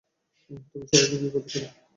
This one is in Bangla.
তুমি সবাইকে বিপদে ফেলবে।